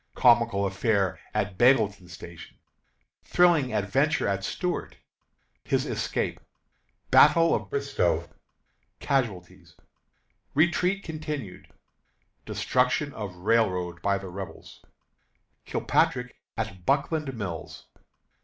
Comical Affair at Bealeton Station. Thrilling Adventure of Stuart. His Escape. Battle of Bristoe. Casualties. Retreat Continued. Destruction of Railroad by the Rebels. Kilpatrick at Buckland Mills.